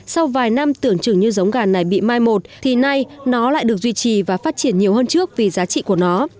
sau vài năm tưởng chừng như giống gà này bị mai một thì nay nó lại được duy trì và phát triển nhiều hơn trước vì giá trị của nó